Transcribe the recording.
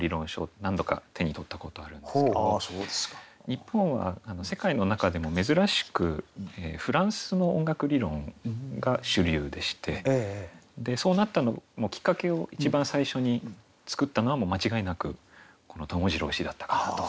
日本は世界の中でも珍しくフランスの音楽理論が主流でしてそうなったのもきっかけを一番最初に作ったのは間違いなくこの友次郎氏だったかなと。